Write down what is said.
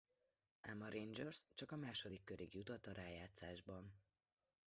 Ám a Rangers csak a második körig jutott a rájátszásban.